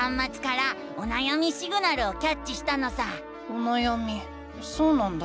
おなやみそうなんだ。